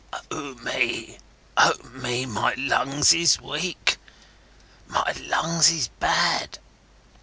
"O me, O me, my lungs is weak, my lungs is bad!